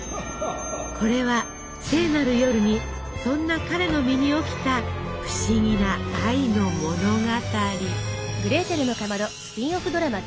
これは聖なる夜にそんな彼の身に起きた不思議な愛の物語。